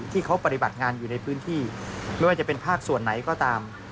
ที่เขาปฏิบัติงานอยู่ในพื้นที่ไม่ว่าจะเป็นภาคส่วนไหนก็ตาม